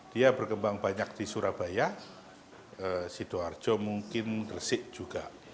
dia berkembang banyak di surabaya sidoarjo mungkin gresik juga